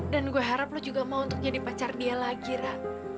dan gue harap lo juga mau jadi pacar dia lagi ra